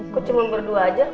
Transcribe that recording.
kok cuma berdua aja